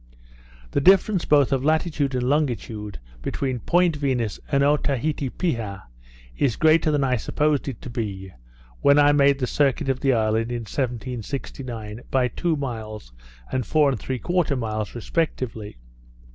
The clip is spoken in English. The difference both of latitude and longitude, between Point Venus and Oaiti piha, is greater than I supposed it to be, when I made the circuit of the island in 1769, by two miles, and 4 3/4 miles respectively.